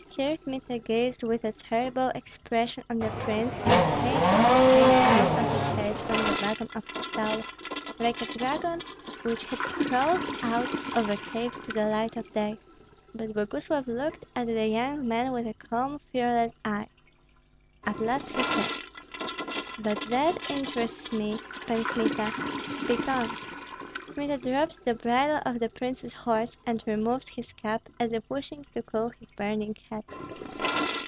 Here Kmita gazed with a terrible expression on the prince, and hatred came out on his face from the bottom of his soul, like a dragon which had crawled out of a cave to the light of day; but Boguslav looked at the young man with a calm, fearless eye. At last he said, "But that interests me, Pan Kmita; speak on." Kmita dropped the bridle of the prince's horse, and removed his cap as if wishing to cool his burning head.